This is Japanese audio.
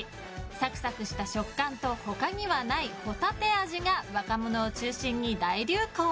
サクサクした食感と他にはないホタテ味が若者を中心に大流行。